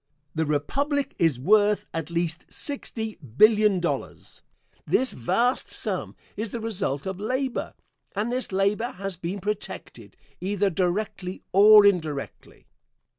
The Republic is worth at least sixty billion dollars. This vast sum is the result of labor, and this labor has been protected either directly or indirectly.